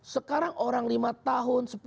sekarang orang lima tahun